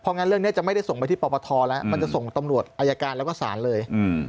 งั้นเรื่องนี้จะไม่ได้ส่งไปที่ปปทแล้วมันจะส่งตำรวจอายการแล้วก็ศาลเลย